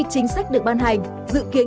chính sách được ban hành dự kiến